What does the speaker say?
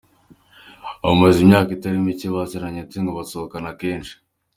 Bamaze imyaka itari mike baziranye ndetse ngo basohokana kenshi.